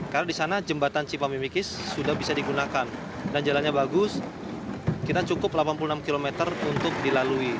karena disana jembatan cipamimikis sudah bisa digunakan dan jalannya bagus kita cukup delapan puluh enam km untuk dilalui